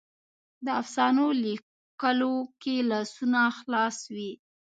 د افسانو لیکلو کې لاسونه خلاص وي.